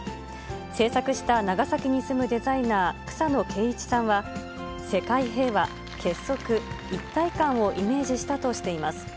制作した長崎に住むデザイナー、草野敬一さんは、世界平和・結束・一体感をイメージしたとしています。